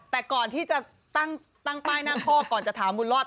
แต่ก่อนที่จะตั้งป้ายนั่งคอกก่อนจะถามบุญรอด